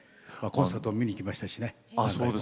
コンサートも見に行きましたしね。